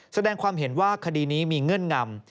แสดงความเห็นว่าคดีนี้มีเงื่อนงำ